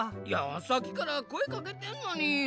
いやさっきからこえかけてんのに。